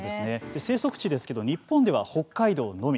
生息地ですけど日本では北海道のみ。